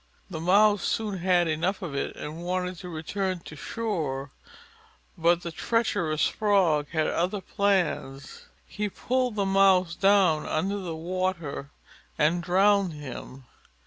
The Mouse soon had enough of it and wanted to return to shore; but the treacherous Frog had other plans. He pulled the Mouse down under the water and drowned him.